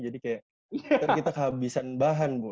jadi kayak kita kehabisan bahan bu